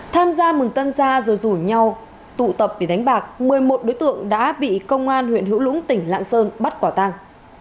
tham gia mừng tân gia rồi rủ nhau tụ tập để đánh bạc một mươi một đối tượng đã bị công an huyện hữu lũng tỉnh lạng sơn bắt quả tàng